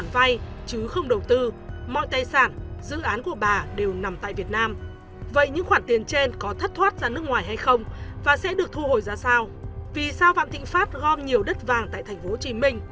vì sao vạn thịnh pháp gom nhiều đất vàng tại tp hcm